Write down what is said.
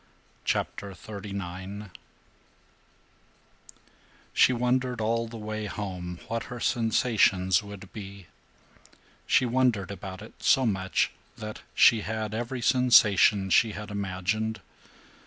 CHAPTER XXXIX SHE wondered all the way home what her sensations would be. She wondered about it so much that she had every sensation she had imagined.